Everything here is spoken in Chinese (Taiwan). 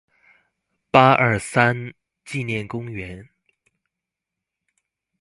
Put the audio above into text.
八二三紀念公園